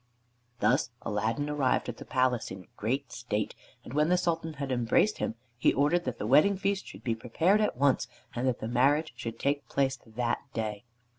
Thus Aladdin arrived at the palace in great state, and when the Sultan had embraced him, he ordered that the wedding feast should be prepared at once, and that the marriage should take place that day.